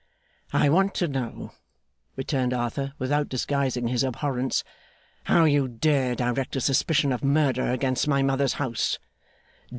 'I want to know,' returned Arthur, without disguising his abhorrence, 'how you dare direct a suspicion of murder against my mother's house?